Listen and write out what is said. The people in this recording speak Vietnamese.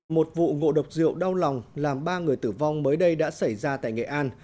một vụ ngộ độc rượu đau lòng làm ba người tử vong mới đây đã xảy ra tại nghệ an